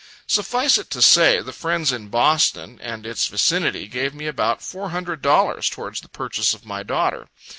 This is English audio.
Suffice it to say, the friends in Boston and its vicinity gave me about four hundred dollars towards the purchase of my daughter.